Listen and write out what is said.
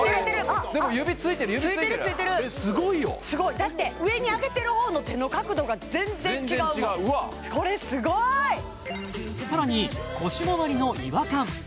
でも指ついてる指ついてるすごいよ上にあげてるほうの手の角度が全然違う全然違ううわっこれすごい！さらに腰周りの違和感